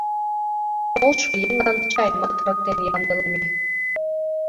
Толшо еҥлан чайымат ырыктен ямдылыме.